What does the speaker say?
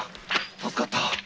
助かった。